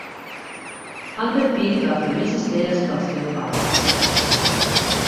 Hunter fill va fer més cistelles que el seu pare.